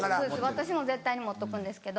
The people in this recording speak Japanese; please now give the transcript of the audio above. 私も絶対に持っとくんですけど。